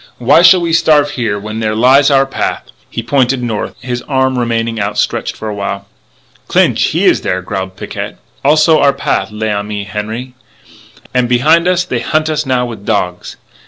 Why shall we starve here when there lies our path?" He pointed north; his arm remained outstretched for a while. "Clinch, he is there," growled Picquet. "Also our path, l'ami Henri.... And, behind us, they hunt us now with dogs."